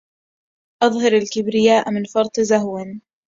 أظهر الكبرياء من فرط زهو